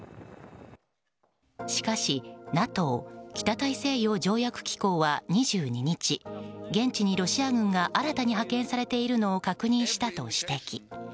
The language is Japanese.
しかしＮＡＴＯ・北大西洋条約機構は２２日、現地にロシア軍が新たに派遣されているのを確認したと指摘。